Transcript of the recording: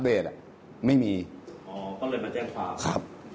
ยอดเท่าไหร่ครับ